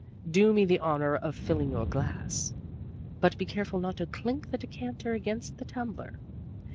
Do me the honor of filling your glass. But be careful not to clink the decanter against the tumbler.